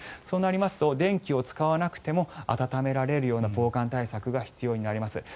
そうなりますと電気を使わなくても暖められるような防寒対策が必要になります。